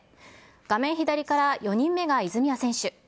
画面左から４人目が泉谷選手。